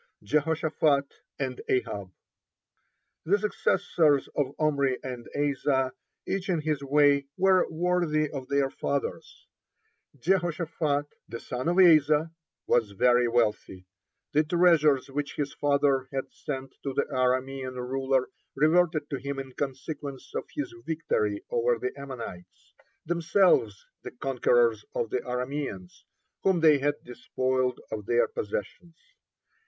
(24) JEHOSHAPHAT AND AHAB The successors of Omri and Asa, each in his way, were worthy of their fathers. Jehoshaphat, the son of Asa, was very wealthy. The treasures which his father had sent to the Aramean ruler reverted to him in consequence of his victory over the Ammonites, themselves the conquerors of the Arameans, whom they had despoiled of their possessions.